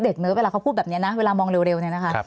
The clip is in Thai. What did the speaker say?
เด็กเน้อเวลาเขาก็มองแบบเนี้ยนะเวลามองเร็วเนี้ยนะคะ